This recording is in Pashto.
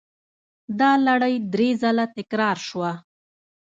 دا لړۍ درې ځله تکرار شوه.